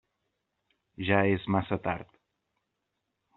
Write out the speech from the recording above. Ja és massa tard.